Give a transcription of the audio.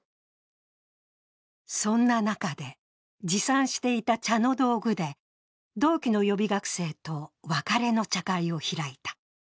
そんな中で、持参していた茶の道具で同期の予備学生と別れの茶会を開いた。